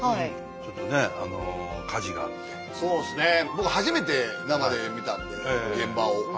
僕初めて生で見たんで現場を。